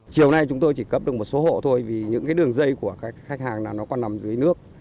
chiều nay chúng tôi chỉ cấp được một số hộ thôi vì những cái đường dây của các khách hàng là nó còn nằm dưới nước